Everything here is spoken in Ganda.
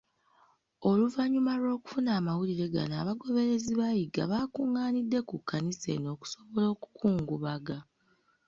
Oluvannyuma lw'okufuna amawulire gano, abagoberezi ba Yiga bakung'anidde ku kkanisa eno okusobola okukungubaga.